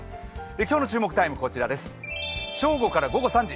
今日の注目タイムは正午から午後３時。